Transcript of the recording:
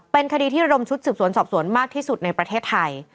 เป็นคดีที่ระดมชุดสืบสวนสอบสวนมากที่สุดในประเทศไทย